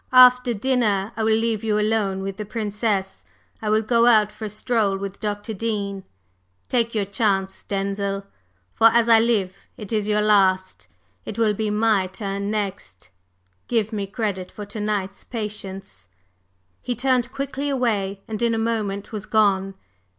After dinner I will leave you alone with the Princess. I will go out for a stroll with Dr. Dean. Take your chance, Denzil, for, as I live, it is your last! It will be my turn next! Give me credit for to night's patience!" He turned quickly away, and in a moment was gone.